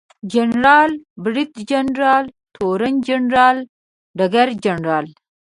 جنرال، بریدجنرال، تورن جنرال ، ډګرجنرال